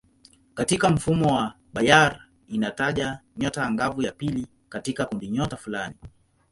Katika mfumo wa Bayer inataja nyota angavu ya pili katika kundinyota fulani.